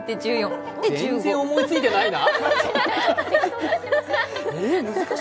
全然思いついてないな。